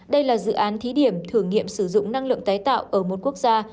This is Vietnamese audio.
đây là dự án thí điểm thử nghiệm sử dụng năng lượng tái tạo ở một quốc gia